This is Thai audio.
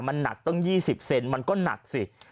มันหนักตั้ง๒๐เซนมันก็หนักสิ